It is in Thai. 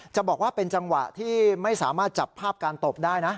จะบอกว่าเป็นจังหวะที่ไม่สามารถจับภาพการตบได้นะ